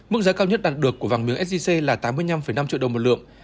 mức giá cao nhất đạt được của vàng miếng sgc là tám mươi năm năm triệu đồng một lượng